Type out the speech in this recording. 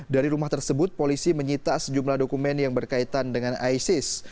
dari rumah tersebut polisi menyita sejumlah dokumen yang berkaitan dengan isis